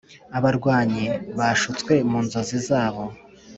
abarwanyi, bashutswe mu nzozi zabo,